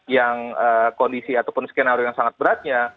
yang kondisi ataupun skenario yang sangat beratnya